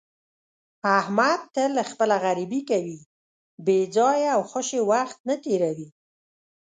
احمد تل خپله غریبي کوي، بې ځایه او خوشې وخت نه تېروي.